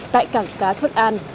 tại cảng cá thuận an